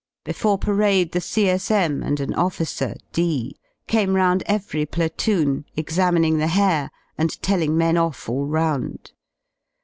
Before parade the C.S.M. and an officer, D , came round every platoon examining the hair and telling men off all round.